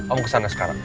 om ke sana sekarang